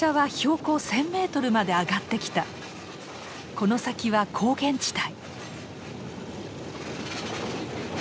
この先は高原地帯。